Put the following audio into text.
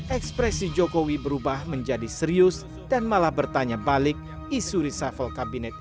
ekspresi jokowi berubah menjadi serius dan malah bertanya balik isu reshuffle kabinet